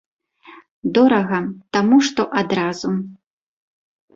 Дорага, таму што адразу.